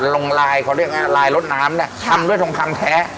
ลงลายเขาเรียกว่าลายรถน้ำเนี่ยทำด้วยทองคำแท้